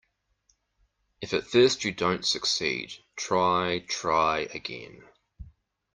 If at first you don't succeed, try, try again.